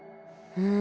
うん。